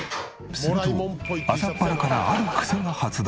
すると朝っぱらからあるクセが発動。